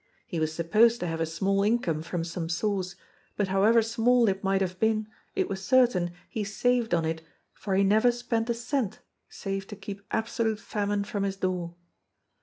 He was supposed to have a small income from some source, but however small it might have been it was certain he saved on it for he never spent a cent save to keep absolute famine from his door.